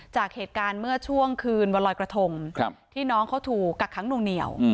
จากเหตุการณ์เมื่อช่วงคืนวันลอยกระทงที่น้องเขาถูกกักค้างนวงเหนียว